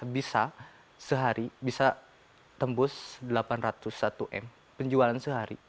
bisa sehari bisa tembus delapan ratus satu m penjualan sehari